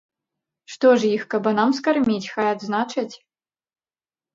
Што ж іх, кабанам скарміць, хай адзначаць?